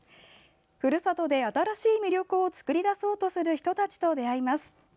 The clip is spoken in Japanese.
ふるさとで新しい魅力を作り出そうとする人たちと出会います。